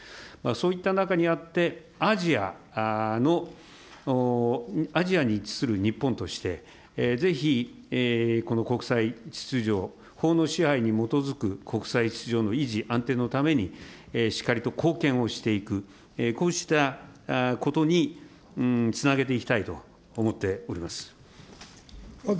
そういった中にあって、アジアに位置する日本として、ぜひこの国際秩序、法の支配に基づく国際秩序の維持、安定のために、しっかりと貢献をしていく、こうしたことにつなげていきたいと思っております。